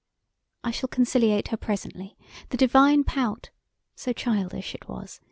I shall conciliate her presently; the divine pout (so childish it was!)